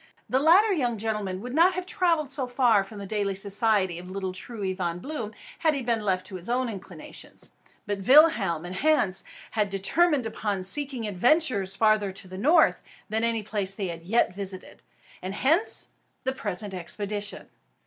The latter young gentleman would not have travelled far from the daily society of little Truey Von Bloom, had he been left to his own inclinations. But Willem and Hans had determined upon seeking adventures farther to the north than any place they had yet visited; and hence the present expedition.